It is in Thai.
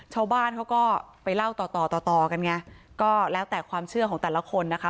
ชาวบ้านเขาก็ไปเล่าต่อต่อต่อต่อต่อต่อกันไงก็แล้วแต่ความเชื่อของแต่ละคนนะคะ